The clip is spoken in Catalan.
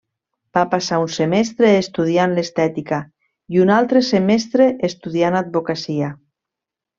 Va passar un semestre estudiant l'estètica i un altre semestre estudiant advocacia.